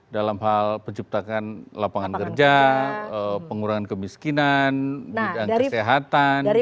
dalam hal penciptakan lapangan kerja pengurangan kemiskinan bidang kesehatan dan lain lain